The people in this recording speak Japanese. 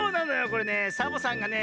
これねサボさんがね